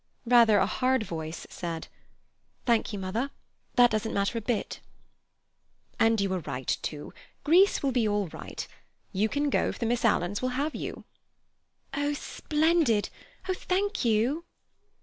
Rather a hard voice said: "Thank you, mother; that doesn't matter a bit." "And you are right, too—Greece will be all right; you can go if the Miss Alans will have you." "Oh, splendid! Oh, thank you!"